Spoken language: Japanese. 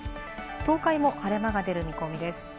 東海も晴れ間が出る見込みです。